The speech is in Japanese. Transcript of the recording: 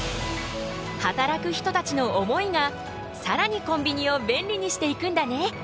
働く人たちの思いがさらにコンビニを便利にしていくんだね。